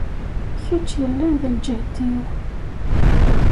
Kečč yellan d lǧehd-iw.